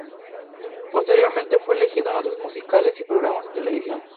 Posteriormente fue elegido en otros musicales y programas de televisión.